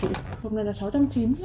hộp này là sáu trăm chín mươi đồng